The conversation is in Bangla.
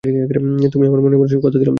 তুমিই আমার মনের মানুষ, কতা দিলাম তোরে।।